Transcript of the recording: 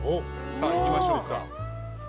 さあいきましょうか。